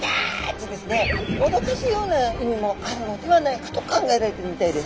おどかすような意味もあるのではないかと考えられてるみたいです。